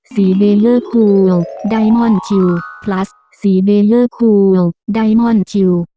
เบลเลอร์คูลไดมอนด์คิวพลัสสีเบลเลอร์คูลไดมอนด์คิว